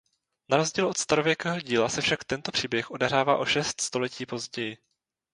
Na rozdíl od starověkého díla se však tento příběh odehrává o šest století později.